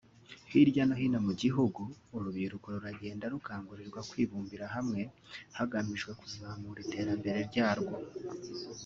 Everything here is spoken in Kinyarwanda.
hirya no hino mu gihugu urubyiruko ruragenda rukangurirwa kwibumbira hamwe hagamijwe kuzamura iterambere ryarwo